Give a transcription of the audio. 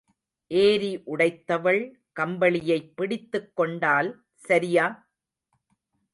ஏரி உடைத்தவள் கம்பளியைப் பிடித்துக் கொண்டால் சரியா?